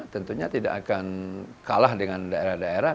tentunya tidak akan kalah dengan daerah daerah